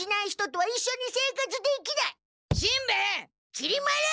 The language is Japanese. きり丸！